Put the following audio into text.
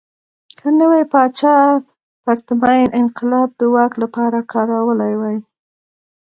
که نوي پاچا پرتمین انقلاب د واک لپاره کارولی وای.